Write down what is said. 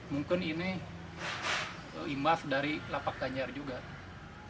mungkin ini imbas dari lapak ganjar juga